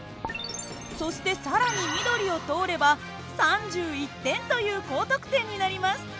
そして更に緑を通れば３１点という高得点になります。